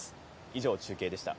以上、中継でした。